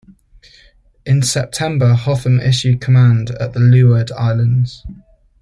In September Hotham assumed command at the Leeward Islands.